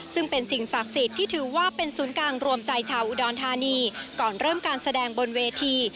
ซึ่งเป็นสิ่งศักดิ์สิทธิ์ที่ถือว่าเป็นศูนย์กลางรวมใจชาวอุดรธานีก่อนเริ่มการแสดงบนเวที